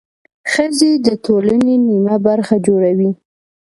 ښځې د ټولنې نميه برخه جوړوي.